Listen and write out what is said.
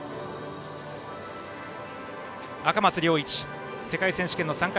赤松諒一世界選手権の参加